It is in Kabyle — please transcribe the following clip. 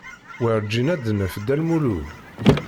Werǧin ad d-naf Dda Lmulud.